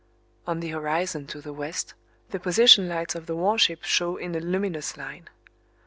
On the horizon to the west the position lights of the warship show in a luminous line.